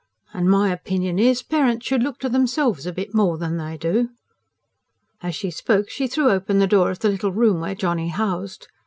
and my opinion is, parents should look to themselves a bit more than they do." As she spoke, she threw open the door of the little room where Johnny housed.